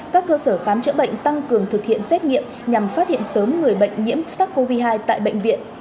các cơ sở khám chữa bệnh tăng cường thực hiện xét nghiệm nhằm phát hiện sớm người bệnh nhiễm sars cov hai tại bệnh viện